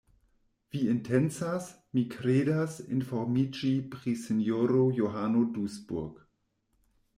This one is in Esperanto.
Vi intencas, mi kredas, informiĝi pri sinjoro Johano Dusburg.